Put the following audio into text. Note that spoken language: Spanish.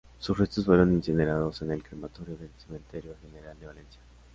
Sus restos fueron incinerados en el Crematorio del Cementerio General de Valencia.